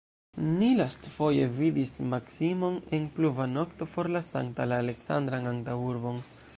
Ni lastfoje vidis Maksimon en pluva nokto forlasantan la Aleksandran antaŭurbon.